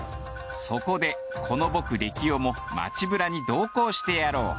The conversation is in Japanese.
そこでこの僕れきおも街ブラに同行してやろう。